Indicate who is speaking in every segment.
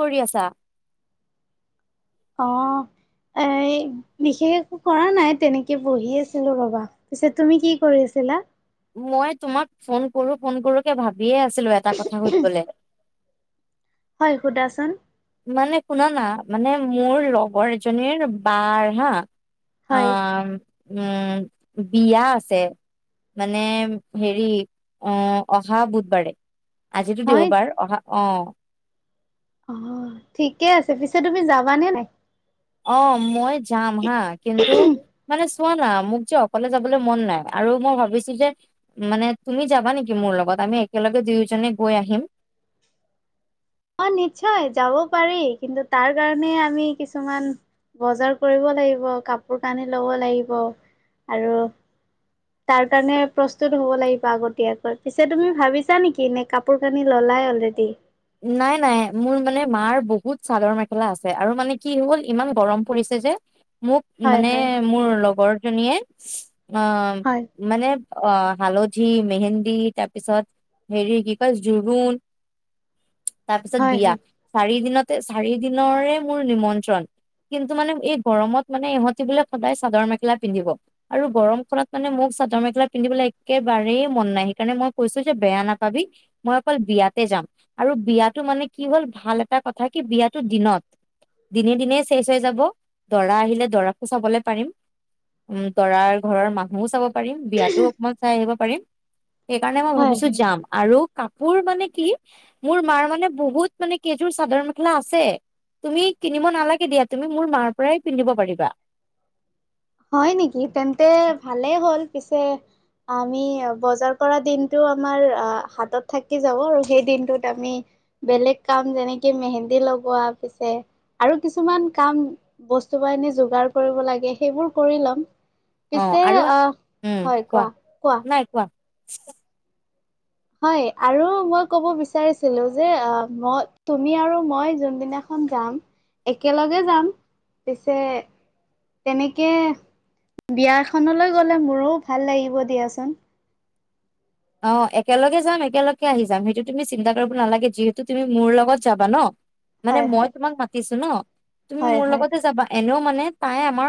Speaker 1: কি কৰি আছা? [inaudible]
Speaker 2: আহ [unintelligible] এই বিশেষ একো কৰা নাই তেনেকে বহি আছিলো ৰবা পিছে তুমি কি কৰিছা [unintelligible] চেলা [unintelligible]
Speaker 1: মই তোমাক ফোন কৰো ফোন কৰো কে ভাবিয়েই আছিলো এটা কথা সুধিবলৈ [unintelligible]
Speaker 2: হয় সোধাচোন [unintelligible]
Speaker 1: মানে শুনা না মানে মোৰ লগৰ এজনীৰ বাৰ হা [unintelligible]
Speaker 2: হয়,
Speaker 1: আহ উম বিয়া আছে [unintelligible] মানে হেৰি অ অহা বুধবাৰে [unintelligible] আজিতো
Speaker 2: হয়।
Speaker 1: দেওবাৰ অহা অ [unintelligible]
Speaker 2: অ ঠিকে আছে পিছে তুমি যাবানে নাই? [unintelligible]
Speaker 1: অ মই যাম হা কিন্তু মানে [unintelligible] চোৱা না মোক যে অকলে যাবলৈ মন নাই আৰু মই ভাবিছো যে মানে তুমি যাবা নেকি মোৰ লগত [unintelligible] আমি একেলগে দুয়োজনে গৈ আহিম।
Speaker 2: অঁ নিশ্চয় যাব পাৰি। কিন্তু তাৰ কাৰণে আমি কিছুমান- বজাৰ কৰিব লাগিব, কাপোৰ টানি লব লাগিব আৰু- তাৰ কাৰণে প্ৰস্তুত হব লাগিব আগতীয়াকৈ পিছে তুমি ভাবিছা নেকি নে কাপোৰ খানি ললাই হ'লে দি।
Speaker 1: নাই নাই মোৰ মানে মাৰ বহুত চাদৰ মেখেলা আছে আৰু মানে কি হ'ল ইমান গৰম পৰিছে। যে মোক
Speaker 2: হয়,
Speaker 1: মানে
Speaker 2: হয়,
Speaker 1: মোৰ লগৰ জনীয়ে অঁ
Speaker 2: হয়,
Speaker 1: মানে- অ হালধি, মেহেন্দি তাৰপিছত হেৰি কি কয় জোৰোণ তাৰপিছত
Speaker 2: হয়,
Speaker 1: বিয়া,
Speaker 2: হয়,
Speaker 1: চাৰি দিনতে চাৰি দিনৰে মোৰ নিমন্ত্ৰণ। কিন্তু মানে এই গৰমত মানে ইহঁতে বোলে সদায় চাদৰ- মেখেলা পিন্ধিব আৰু গৰম খনত মানে মোক চাদৰ -মেখেলা পিন্ধিবলৈ একেবাৰেই মন নাই সেইকাৰণে মই কৈছো যে বেয়া নাপাবি মই অকল বিয়াতে যাম। আৰু বিয়াটো মানে কি হ'ল ভাল এটা কথা কি বিয়াটো দিনত। দিনে দিনে শেষ হৈ যাব, দৰা আহিলে দৰাকো চাবলৈ পাৰিম। উম দৰাৰ ঘৰৰ মাক মো চাব পাৰিম, বিয়াতো অকণমান চাই আহিব পাৰিম সেইকাৰণে মই
Speaker 2: হয়,
Speaker 1: ভাবিছো
Speaker 2: হয়।
Speaker 1: যাম। আৰু কাপোৰ মানে কি মোৰ মাৰ মানে বহুত মানে কেইযোৰ চাদৰ মেখেলা আছে। তুমি কিনিব নালাগে দিয়া তুমি মোৰ মাৰ পৰাই পিন্ধিব পাৰিবা।
Speaker 2: হয় নেকি তেন্তে ভালেই হ'ল পিছে আমি বজাৰ কৰা দিনটো আমাৰ হাতত থাকি যাব আৰু সেই দিনটোত আমি বেলেগ কাম যেনেকে মেহেন্দী লগোৱা পিছে আৰু কিছুমান কাম বস্তু -বাহিনী যোগাৰ কৰিব লাগে সেইবোৰ কৰি লম।
Speaker 1: অ
Speaker 2: পিছে
Speaker 1: আৰু
Speaker 2: আঁহ। হয় কোৱা কোৱা?
Speaker 1: [unintelligible]
Speaker 2: হয় আৰু মই কব বিচাৰিছিলো যে অ মই তুমি আৰু মই যোনদিনা খন যাম একেলগে যাম। পিছে তেনেকে বিয়াখনলৈ গলে মোৰো ভাল লাগিব দিয়াচোন।
Speaker 1: অঁ একেলগে যাম, একেলগে আহি যাম সেইটো তুমি চিন্তা কৰিব নালাগে যিহেতু তুমি মোৰ লগত যাবা ন'। মানে
Speaker 2: হয়
Speaker 1: মই
Speaker 2: হয়
Speaker 1: তোমাক মাতিছো ন? ' তুমি
Speaker 2: হয়
Speaker 1: মোৰ
Speaker 2: হয়
Speaker 1: লগতে যাবা এনেও মানে তাই আমাৰ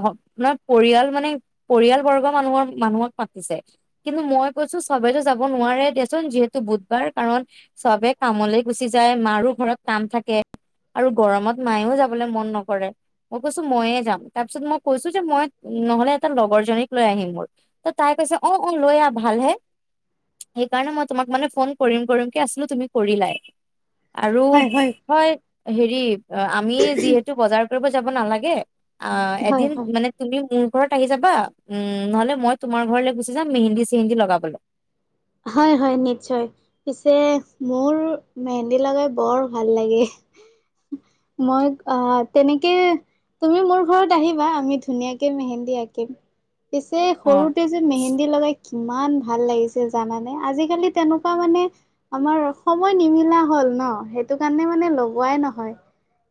Speaker 1: ঘৰখনত পৰিয়াল মানে পৰিয়াল বৰ্গৰ মানুহৰ মানুহক মাতিছে। কিন্তু মই কৈছো চবেইতো যাব নোৱাৰে দেচোন যিহেতু বুধবাৰ কাৰণ চবেই কামলে গুচি যায় মাৰো ঘৰত কাম থাকে। আৰু গৰমত মায়েও যাবলৈ মন নকৰে। মই কৈছো ময়ে যাম তাৰ পিছত মই কৈছো যে মই নহলে এটা লগৰ জনীক লৈ আহিম ব'ল। ত' তাই কৈছে অঁ অঁ লৈ আহ ভালহে। সেইকাৰণে মই তোমাক মানে ফোন কৰিম কৰিম কে আছিলো তুমি কৰিলাই। আৰু হয় হেৰি আমি যিহেতু বজাৰ কৰিব যাব নালাগে। আঁহ
Speaker 2: হয়
Speaker 1: এদিন
Speaker 2: হয়
Speaker 1: মানে তুমি মোৰ- ঘৰত আহি যাবা। উমঁ নহলে মই তোমাৰ ঘৰলৈ গুচি যাম মিহিন্দী-চিহিন্দি লগাবলে।
Speaker 2: হয় হয় নিশ্চয়। পিছে মোৰ মেহেন্দী লগাই বৰ ভাল লাগে।
Speaker 1: [unintelligible]
Speaker 2: মই আঁহ তেনেকে তুমি মোৰ ঘৰত আহিবা, আমি ধুনীয়াকে মেহেন্দী আঁকিম। পিছে
Speaker 1: অ
Speaker 2: সৰুতে যে মেহেন্দী লগাই কিমান ভাল লাগিছি জানা নে আজিকালি তেনেকুৱা মানে আমাৰ সময় নিমিলা হ'ল ন' সেইটো কাৰণে মান নে লগোৱাই নহয়।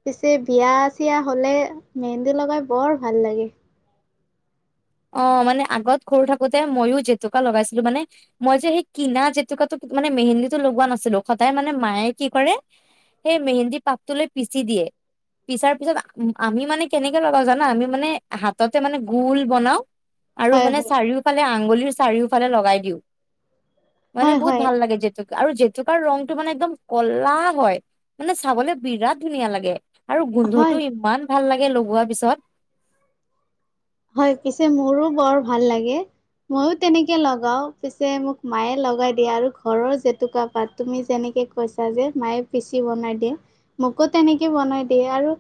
Speaker 2: পিছে বিয়া-চিয়া হ'লে মেহেন্দী লগাই বৰ ভাল লাগে।
Speaker 1: অঁ মানে আগত সৰু থাকোতে মইও জেতুকা লগাইছিলো মানে মই যে সেই কিনা জেতুকাটো মানে মেহেন্দীটো লগোৱা নাছিলো, সদায় মানে মায়ে কি কৰে সেই মেহেন্দী পাতটো লৈ পিচি দিয়ে। পিছাৰ পিছত আমি মানে কেনেকে লগাও জানা আমি মানে হাততে মানে গোল বনাও আৰু
Speaker 2: হয়
Speaker 1: মানে
Speaker 2: হয়
Speaker 1: চাৰিওফালে আঙুলিৰ চাৰিওফালে লগাই দিও, মানে
Speaker 2: হয়
Speaker 1: বহুত
Speaker 2: হয়
Speaker 1: ভাল লাগে জেতু আৰু জেতুকাৰ ৰংটো মানে একদম কলা হয়। মানে চাবলে বিৰাট ধুনীয়া লাগে। আৰু
Speaker 2: হয়
Speaker 1: গোন্ধটো ইমান ভাল লাগে লগোৱাৰ পিছত।
Speaker 2: হয় পিছে মোৰো বৰ ভাল লাগে। মইও তেনেকে লগাও পিছে মোক মায়ে লগাই দিয়ে আৰু ঘৰৰ জেতুকা পাত তুমি যেনে থিক কৈছা যে মায়ে পিচি বনাই দিওঁ মোকো তেনেকে বনাই দিয়ে আৰু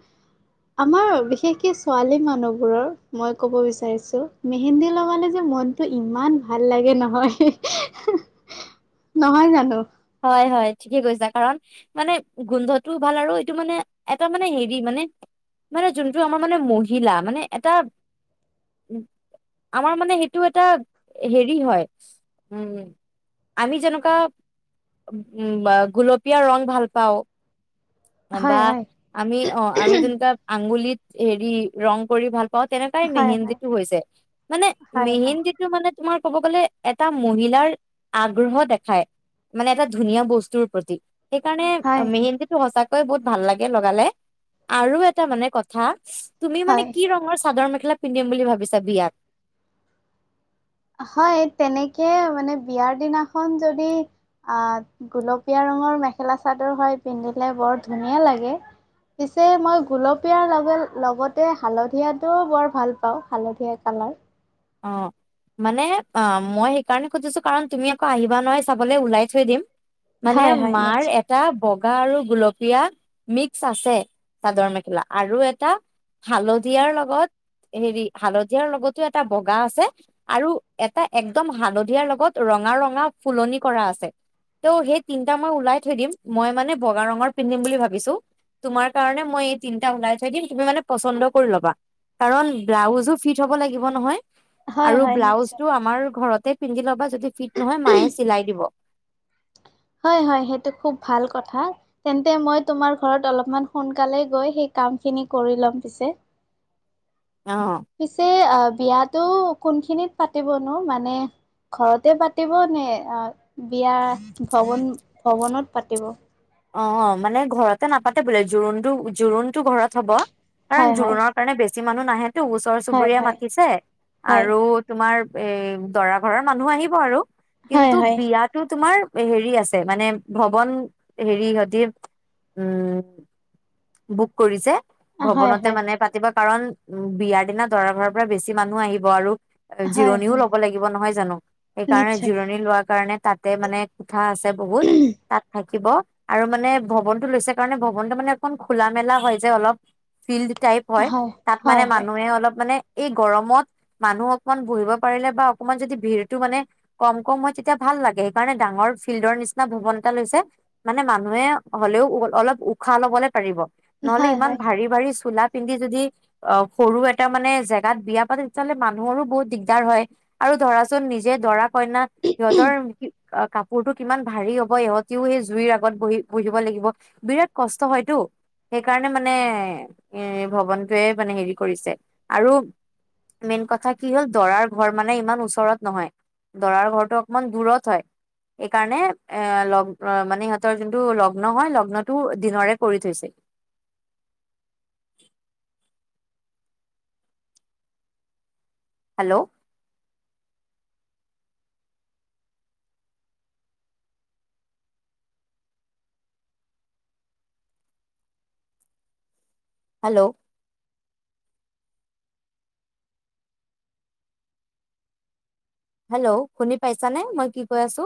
Speaker 2: আমাৰ বিশেষকে ছোৱালী মানুহবোৰৰ। মই ক'ব বিচাৰিছো মেহেন্দী লগালে যে মনটো ইমান ভাল লাগে নহয়।
Speaker 1: [inaudible]
Speaker 2: নহয় মানে।
Speaker 1: হয় হয় ঠিকে কৈছা কাৰণ মানে গোন্ধটোও ভাল আৰু এইটো মানে এটা মানে হেৰি মানে। মানে যোনটো আমাৰ মানে মহিলা মানে এটা উ। আমাৰ মানে সেইটো এটা হেৰি হয় উম আমি যেনেকুৱা উ গুলপীয়া ৰং ভাল পাওঁ। বা আমি অ আমি তেনেকা আঙুলিত হেৰি ৰং কৰি ভাল অ তেনেকাই
Speaker 2: হয় হয়
Speaker 1: মেহেন্দীটো হৈছে মানে
Speaker 2: হয় হয়
Speaker 1: মেহেন্দীটো মানে। তোমাৰ ক'ব গলে এটা মহিলাৰ আগ্ৰহ দেখায়। মানে এটা ধুনীয়া বস্তুৰ প্ৰতি সেইকাৰণে
Speaker 2: হয় হয়
Speaker 1: মেহেন্দন্দীটো সঁচাকে বহুত ভাল লাগে লগালে আৰু এটা মানে কথা তুমি মানে
Speaker 2: হয়
Speaker 1: কি ৰঙৰ চাদৰ মেখেলা কি পিন্ধিম বুলি ভাবিছা বিয়াত।
Speaker 2: হয় তেনেকে মানে বিয়াৰ দিনাখন যদি আহ গুলপীয়া ৰঙৰ মেখেলা চাদৰ হয় পিন্ধিলে বৰ ধুনীয়া লাগে। পিছে মই গুলপিয়া লগে লগতে হালধিয়াতোও বৰ ভাল পাওঁ হালধীয়া ক তাই [unintelligible]
Speaker 1: অ মানে অ মই সেইকাৰণে খুজিছো কাৰণ তুমি আকৌ আহিবা নহয় চাবলৈ ওলাই থৈ দিম। মানে
Speaker 2: হয় হয়
Speaker 1: মাৰ
Speaker 2: নিশ্চয়
Speaker 1: এটা বেগ বগা আৰু গুলপীয়া মিক্স আছে চাদৰ মেখেলা আৰু এটা হালধিয়াৰ লগত হেৰি হালধিয়াৰ লগতো। এটা বগা আছে আৰু এটা একদম হালধিয়াৰ লগত ৰঙা ৰঙৰ ফুলনি কৰা আছে। ত' সেই তিনটা মই ওলাই থৈ দিম মই মানে বগা ৰঙৰ পিন্ধিম বুলি ভাবিছো। তোমাৰ কাৰণে মই এই তিটা ওলাই থৈ দিম তুমি মানে পচন্দ কৰি ল'বা। কাৰণ ব্লাউজো ফিট হ'ব লাগিব নহয়
Speaker 2: হয়
Speaker 1: আৰু
Speaker 2: হয় নিশ্চয়।
Speaker 1: ব্লাউজটো আমাৰ ঘৰত তাতে পিন্ধি লবা যদি ফিট নহয় মায়ে চিলাই দিব
Speaker 2: হয় হয় সেইটো খুব ভাল কথা তেন্তে মই তোমাৰ ঘৰত অলপমান সোনকালে গৈ কাম খিনি কৰি ল'ম পিছে
Speaker 1: [inaudible] অ
Speaker 2: পিছে আহ বিয়াতো। কোনখিনিত পাতিবনো মানে ঘৰতে পাতিব নে অ বিয়া ভৱন ভৱনত পাতিব।
Speaker 1: অ মানে ঘৰতে নাপাতে বোলে জোৰোণটো জোৰোণটো ঘৰত হব। কাৰণ
Speaker 2: হয় হয়
Speaker 1: জোৰোণৰ কাৰণে বেছি মানুহ নাহেতো ওচৰ
Speaker 2: হয়
Speaker 1: চুবুৰীয়া
Speaker 2: হয়
Speaker 1: মাতিছে
Speaker 2: হয়
Speaker 1: আৰু তোমাৰ। এ দৰা ঘৰৰ মানুহ আহিব আৰু
Speaker 2: হয়
Speaker 1: কিন্তু
Speaker 2: হয়
Speaker 1: বিয়াতো তোমাৰ। হেৰি আছে মানে ভৱন হেৰি সতি উম বুক কৰিছে
Speaker 2: হয়
Speaker 1: ভৱনতে
Speaker 2: হয়
Speaker 1: মানে পাতিব। কাৰণ উ বিয়াৰ দিনা দৰা ঘৰৰ পৰা বেছি মানুহ আহিব আৰু
Speaker 2: হয়
Speaker 1: জিৰণিও
Speaker 2: হয়
Speaker 1: লব লাগিব নহয় জানো সেইকাৰণে
Speaker 2: নিশ্চয়
Speaker 1: জিৰণি লোৱাৰ কাৰণে তাতে মানে কোঠা আছে বহুত তাত থাকিব আৰু মানে ভৱনটো লৈছে কাৰণে ভৱনটো মানে সেইখন খোলা মেলা হয় যে অলপ ফিল্ড টাইপ হয় তাত
Speaker 2: হয়
Speaker 1: মানে
Speaker 2: হয়
Speaker 1: মানুহে অলপ মানে এই গৰমত মানুহ অকমান বহিব পাৰিলে বা অকণমান যদি ভিৰতটো মানে কম কম হয় তেতিয়া ভাল। লাগে সেইকাৰণে ডাঙৰ ফিল্ডৰ নিচিনা ভৱন এটা লৈছে মানে মানুহে হ'লেও অলপ উশাহ ল'বলে পাৰিব নহলে
Speaker 2: হয়
Speaker 1: ইমান
Speaker 2: হয়
Speaker 1: ভাৰী ভাৰী চোলা পিন্ধি যদি অ সৰু এটা মানে জেগাত বিয়া পাতি তেতিয়াহ'লে মানুহৰো বহুত দিগদাৰ হয়। আৰু ধৰাচোন নিজে দৰা কইনা সিহঁতৰ কাপোৰটো কিমান ভাৰী হ'ব সিহঁতিও সেই জুইৰ আগত বহি বহিব লাগিব বিৰাট কষ্ট হয়তো। সেইকাৰণে মানে এ ভৱনটোৱে মানে হেৰি কৰিছে আৰু মেইন কথা কি হ'ল দৰাৰ ঘৰ মানে ইমান ওচৰত নহয়। দৰাৰ ঘৰটো অকমান দূৰত হয়। এইকাৰণে এ লগ মানে সিহঁতৰ যোনটো লগ্ন হয় লগ্নটো দিনৰে কৰি থৈছে। [inaudible] হেল্ল' হেল্ল' হেল্ল' শুনি পাইছানে মই কি কৈ আছো?